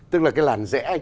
tức là cái làn rẽ